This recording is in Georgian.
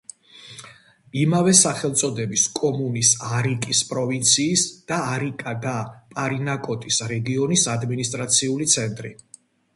იმავე სახელწოდების კომუნის არიკის პროვინციის და არიკა და პარინაკოტის რეგიონის ადმინისტრაციული ცენტრი.